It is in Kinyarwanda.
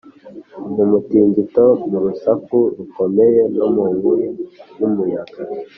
mu mutingito, mu rusaku rukomeye, no mu nkubi y’umuyaga,